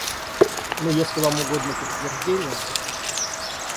Но если вам угодно подтверждение...